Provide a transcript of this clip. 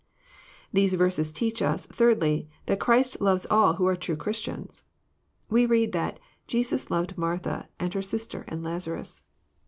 These verses teach us, thirdly, that Christ hves^U who are true Christians. We read that " Jesus loved Martha, and her sister, and Lazarus."